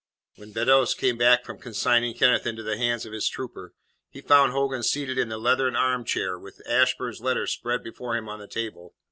When Beddoes came back from consigning Kenneth into the hands of his trooper, he found Hogan seated in the leathern arm chair, with Ashburn's letter spread before him on the table.